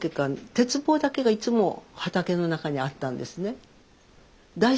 鉄棒だけがいつも畑の中にあったんですね。